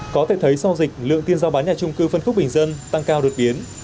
có thể thấy sau dịch lượng tiền giao bán nhà trung cư phân khúc bình dân tăng cao đột biến